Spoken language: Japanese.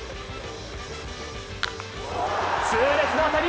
痛烈な当たり！